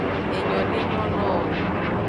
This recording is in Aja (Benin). Enyo de nyo no wo.